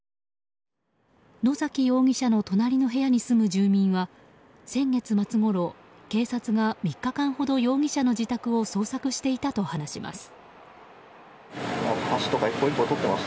野崎容疑者の隣の部屋に住む住民は先月末ごろ、警察が３日間ほど容疑者の自宅を捜索していたと話します。